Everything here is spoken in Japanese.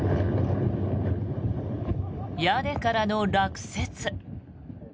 屋根からの落雪。